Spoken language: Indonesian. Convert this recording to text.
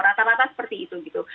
rata rata seperti itu gitu